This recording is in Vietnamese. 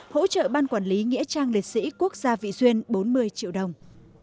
hỗ trợ ban quản lý nghĩa trang liệt sĩ quốc gia vị xuyên bốn mươi triệu đồng